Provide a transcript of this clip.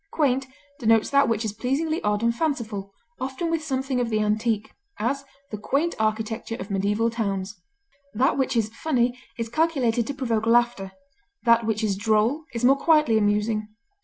Quaint denotes that which is pleasingly odd and fanciful, often with something of the antique; as, the quaint architecture of medieval towns. That which is funny is calculated to provoke laughter; that which is droll is more quietly amusing.